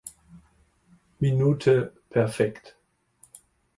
Minute perfekt.